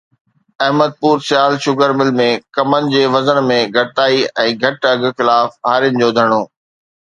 احمد پور Sial sugar mill ۾ ڪمند جي وزن ۾ گهٽتائي ۽ گهٽ اگهه خلاف هارين جو ڌرڻو